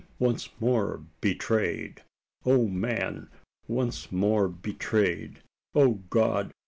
Once more betrayed! O man! Once more betrayed! O God!